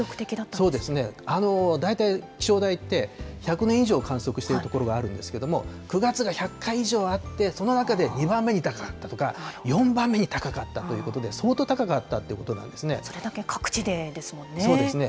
そうですね、大体気象台って、１００年以上観測している所があるんですけれども、９月が１００回以上あって、その中で２番目に高かったとか、４番目に高かったということで、相当高かったということなんですそれだけ各地でですもんね。